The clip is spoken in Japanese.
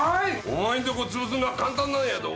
お前んとこつぶすのは簡単なんやど。